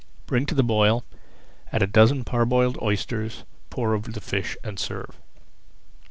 Bring to the boil, add a dozen parboiled oysters, pour over the fish, and serve.